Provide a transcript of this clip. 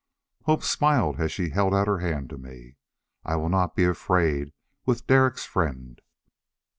Hope smiled as she held out her hand to me. "I will not be afraid, with Derek's friend."